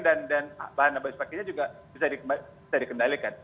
dan bahan habis pakainya juga bisa dikendalikan